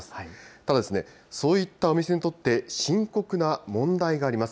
ただ、そういったお店にとって深刻な問題があります。